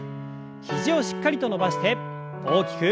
肘をしっかりと伸ばして大きく。